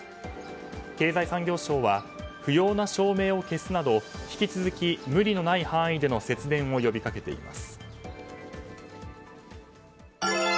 経済産業省は不要な照明を消すなど引き続き、無理のない範囲での節電を呼びかけています。